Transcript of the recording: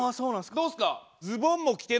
どうっすか？